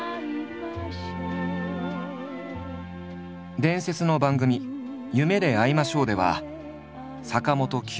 伝説の番組「夢であいましょう」では坂本九